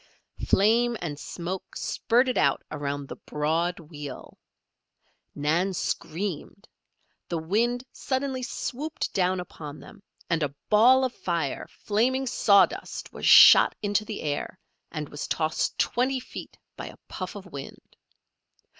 Flame and smoke spurted out around the broad wheel. Nan screamed. The wind suddenly swooped down upon them, and a ball of fire, flaming sawdust was shot into the air and was tossed twenty feet by a puff of wind.